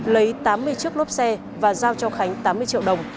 lấy tám mươi chiếc lốp xe và giao cho khánh tám mươi triệu đồng